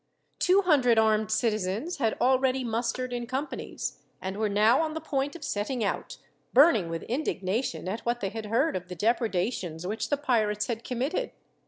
Two hundred armed citizens had already mustered in companies, and were now on the point of setting out, burning with indignation at what they had heard of the depredations which the pirates had committed.